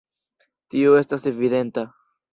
Tio estas evidenta.